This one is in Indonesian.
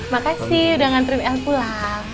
makasih udah ngantrin el pulang